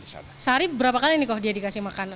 sehari berapa kali nih kok dia dikasih makan